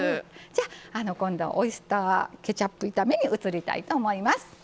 じゃあ今度はオイスターケチャップ炒めに移りたいと思います。